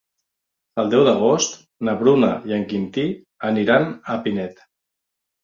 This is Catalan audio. El deu d'agost na Bruna i en Quintí aniran a Pinet.